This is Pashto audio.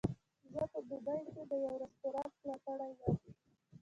زه په دوبۍ کې د یوه رستورانت ملاتړی یم.